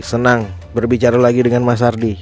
senang berbicara lagi dengan mas ardi